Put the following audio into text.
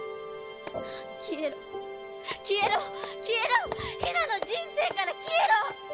消えろ消えろ消えろヒナの人生から消えろ！